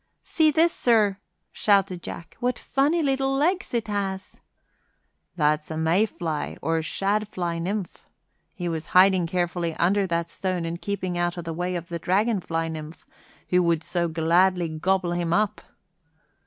"See this, sir," shouted Jack; "what funny little legs it has!" "That's a May fly or shad fly nymph. He was hiding carefully under that stone and keeping out of the way of the dragon fly nymph, who would so gladly gobble him up."